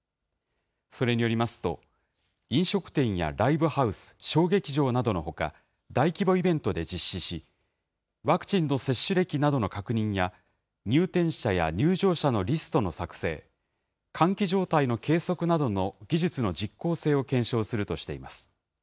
それによりますと、飲食店やライブハウス・小劇場などのほか、大規模イベントで実施し、ワクチンの接種歴などの確認や、入店者や入場者のリストの作成、換気状態の計測などの技術の実効性を検証するとしています。